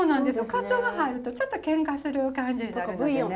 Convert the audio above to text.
カツオが入るとちょっとけんかする感じになるのでね。